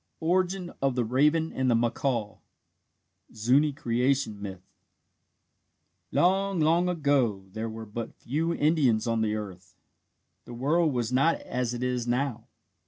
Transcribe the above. '" ORIGIN OF THE RAVEN AND THE MACAW (ZUNI CREATION MYTH) Long, long ago there were but few Indians on the earth. The world was not as it is now.